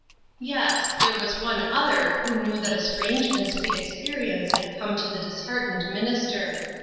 Yes, there was one other who knew that a strange and sweet experience had come to the disheartened minister.